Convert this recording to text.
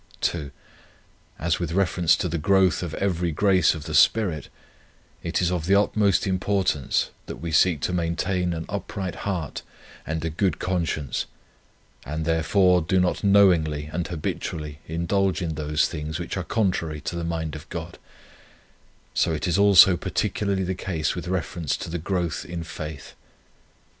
2, As with reference to the growth of every grace of the Spirit, it is of the utmost importance that we seek to maintain an upright heart and a good conscience, and, therefore, do not knowingly and habitually indulge in those things which are contrary to the mind of God, so it is also particularly the case with reference to the growth in faith.